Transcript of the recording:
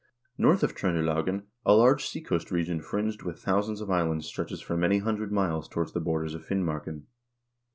North of Tr0ndelagen a large seacoast region fringed with thou sands of islands stretches for many hundred miles towards the borders of Finmarken.